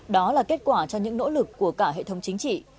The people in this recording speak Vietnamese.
đó là kết quả cho những nỗ lực của cả hệ thống chính trị